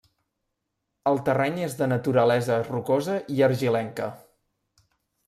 El terreny és de naturalesa rocosa i argilenca.